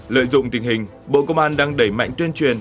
lợi dụng tình hình bộ công an đang đẩy mạnh tuyên truyền